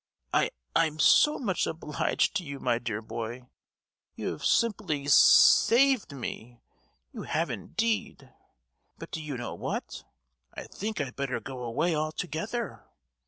"I—I'm so much obliged to you, my dear boy; you have simply sa—ved me, you have indeed! But, do you know what,—I think I'd better go away altogether!"